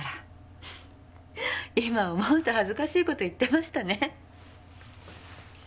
今思うと恥ずかしい事言ってましたね。